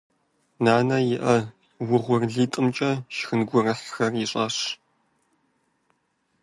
Нанэ и Ӏэ угъурлитӀымкӀэ шхын гурыхьхэр ищӀащ.